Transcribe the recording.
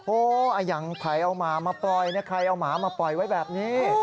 อย่างไผ่เอาหมามาปล่อยใครเอาหมามาปล่อยไว้แบบนี้